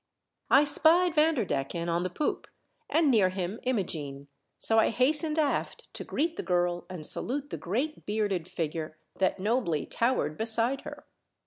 I spied Vander decken on the poop and near him Imogene, so I hastened aft to greet the girl and salute the great bearded figure that nobly towered beside her.